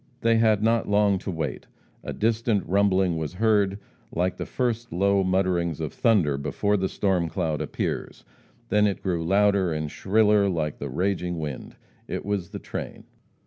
They had not long to wait. A distant rumbling was heard, like the first low mutterings of thunder before the storm cloud appears. Then it grew louder and shriller like the raging wind. It was the train.